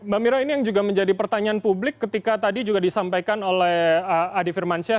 mbak mira ini yang juga menjadi pertanyaan publik ketika tadi juga disampaikan oleh adi firmansyah